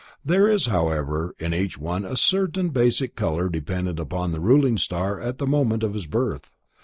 There is however in each one a certain basic color dependent upon the ruling star at the moment of his birth.